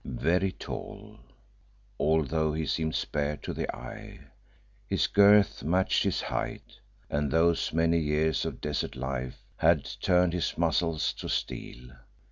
Very tall, although he seemed spare to the eye, his girth matched his height, and those many years of desert life had turned his muscles to steel.